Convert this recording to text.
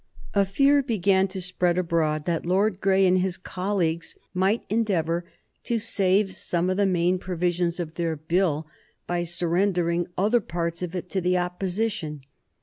A fear began to spread abroad that Lord Grey and his colleagues might endeavor to save some of the main provisions of their Bill by surrendering other parts of it to the Opposition.